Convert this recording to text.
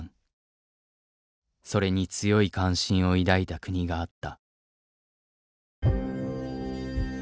それに強い関心を抱いた国があった。